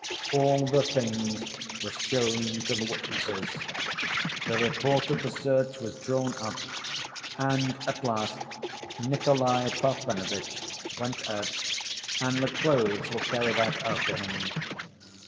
All the things were shown to the witnesses. The report of the search was drawn up, and at last Nikolay Parfenovitch went out, and the clothes were carried out after him.